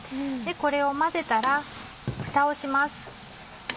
これを混ぜたらフタをします。